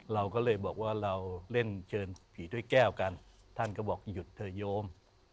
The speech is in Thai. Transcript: เราก็เลยบอกว่าเราเล่นเชิญผีด้วยแก้วกันท่านก็บอกหยุดเถอะโยม